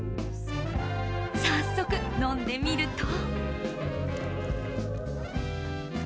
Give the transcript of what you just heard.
早速、飲んでみると。